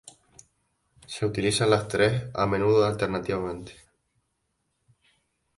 Se utilizan las tres, a menudo alternativamente.